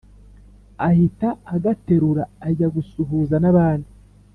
ahita agaterura ajya gusuhuza n’abandi